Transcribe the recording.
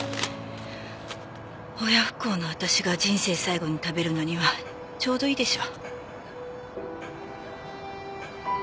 親不孝の私が人生最後に食べるのにはちょうどいいでしょ。